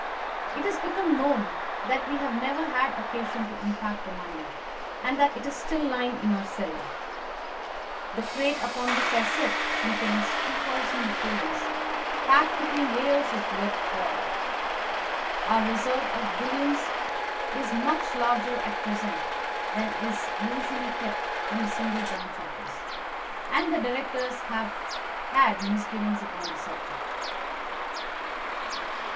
It has become known that we have never had occasion to unpack the money, and that it is still lying in our cellar. The crate upon which I sit contains 2,000 napoleons packed between layers of lead foil. Our reserve of bullion is much larger at present than is usually kept in a single branch office, and the directors have had misgivings upon the subject."